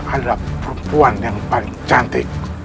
adalah perempuan yang paling cantik